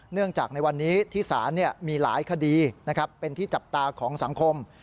เนื่องจากในวันนี้ที่ศาลมีหลายคดีเป็นที่จับตาของสังคม